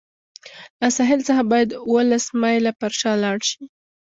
له ساحل څخه باید اوولس مایله پر شا لاړ شي.